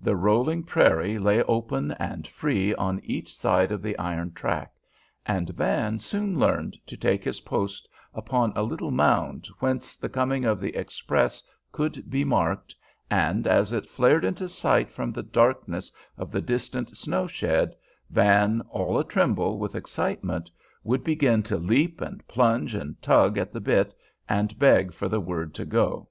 The rolling prairie lay open and free on each side of the iron track, and Van soon learned to take his post upon a little mound whence the coming of the "express" could be marked, and, as it flared into sight from the darkness of the distant snow shed, Van, all a tremble with excitement, would begin to leap and plunge and tug at the bit and beg for the word to go.